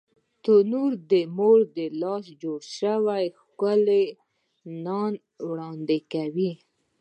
تنور د مور لاس جوړ شوی ښکلی نان وړاندې کوي